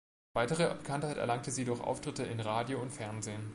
Weitere Bekanntheit erlangte sie durch Auftritte in Radio und Fernsehen.